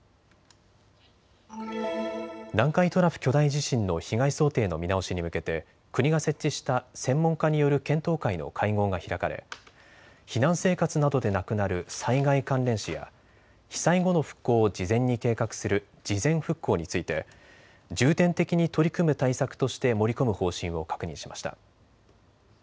南海トラフ巨大地震の被害想定の見直しに向けて、国が設置した専門家による検討会の会合が開かれ避難生活などで亡くなる災害関連死や被災後の復興を事前に計画する事前復興について重点的に取り組む対策として盛り込む方針を確認しました。